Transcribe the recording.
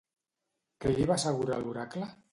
Què li va assegurar l'oracle?